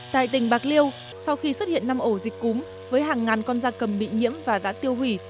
tại tỉnh bạc liêu sau khi xuất hiện năm ổ dịch cúm với hàng ngàn con da cầm bị nhiễm và đã tiêu hủy